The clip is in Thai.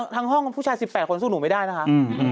ห้องผู้ชาย๑๘คนสู้หนูไม่ได้นะคะ